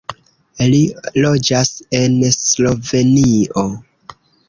Li loĝas en Slovenio.